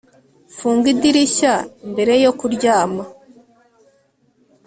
Funga idirishya mbere yo kuryama